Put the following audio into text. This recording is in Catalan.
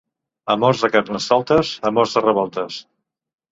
Amors de Carnestoltes, amors de revoltes.